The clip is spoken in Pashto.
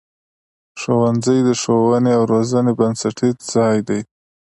ښوونځی د ښوونې او روزنې بنسټیز ځای دی.